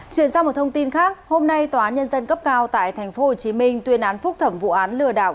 chuyển sang một thông tin khác hôm nay tòa nhân dân cấp cao tại tp hcm tuyên án phúc thẩm vụ án lừa đảo